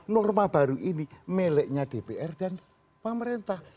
norma baru ini meleknya dpr dan pemerintah